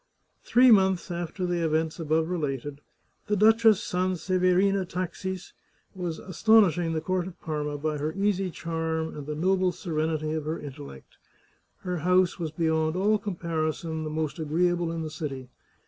Three months after the events above related, the Duchess Sanseverina Taxis was astonishing the court of Parma by her easy charm and the noble serenity of her intellect. Her house was beyond all comparison the most agreeable in the city.